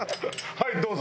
はいどうぞ。